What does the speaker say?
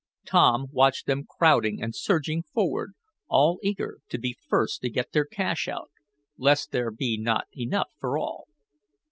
Tom watched them crowding and surging forward, all eager to be first to get their cash out, lest there be not enough for all.